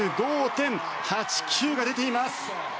１４５．８９が出ています！